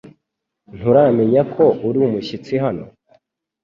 Nturamenya ko urumushyitsi hano .